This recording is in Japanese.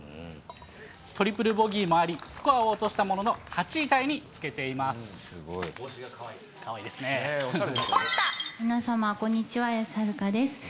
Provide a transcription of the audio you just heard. トリプルボギーもあり、スコアを落としたものの、８位タイにつけ皆様、こんにちは、綾瀬はるかです。